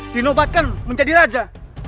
dinobatkan menjadi raja